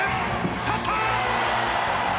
立った！